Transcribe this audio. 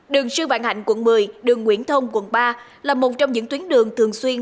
đường sư vạn hạnh quận một mươi đường nguyễn thông quận ba là một trong những tuyến đường thường xuyên